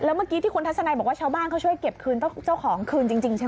แล้วทัศนายบอกว่าเฉล่าชาวบ้านเขาก็ช่วยเก็บคั่วเจ้าของขึ้นจริงใช่ไหม